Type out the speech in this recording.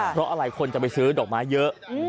เพราะอะไรคนจะไปซื้อดอกไม้เยอะ